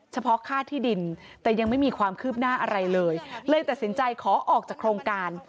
เฉพาะค่าที่ดินแต่ยังไม่มีความคืบหน้าอะไรเลยเลยตัดสินใจขอออกจากโครงการ